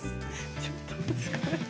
ちょっと。